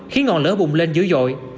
khiến ngọn lửa bùng lên dữ dội